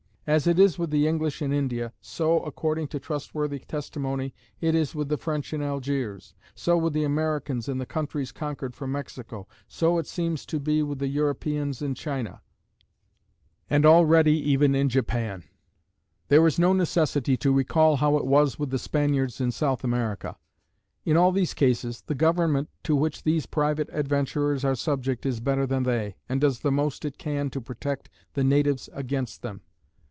As it is with the English in India, so, according to trustworthy testimony, it is with the French in Algiers; so with the Americans in the countries conquered from Mexico; so it seems to be with the Europeans in China, and already even in Japan: there is no necessity to recall how it was with the Spaniards in South America. In all these cases, the government to which these private adventurers are subject is better than they, and does the most it can to protect the natives against them.